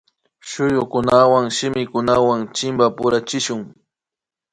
Shuyukunawan shimikunawan chimpapurachishun